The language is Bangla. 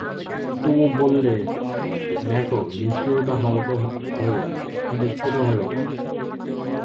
কুমু বললে, দেখো, নিষ্ঠুর হও তো হোয়ো, কিন্তু ছোটো হোয়ো না।